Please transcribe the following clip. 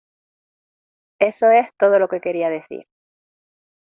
Eso es todo lo que quería decir.